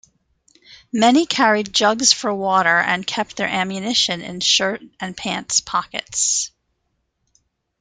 Many carried jugs for water and kept their ammunition in shirt and pants pockets.